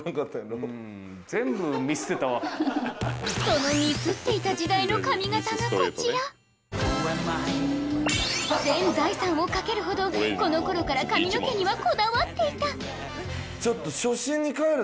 そのミスっていた時代の髪形がこちら全財産をかけるほどこの頃から髪の毛にはこだわっていたちょっと。